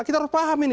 kita harus paham ini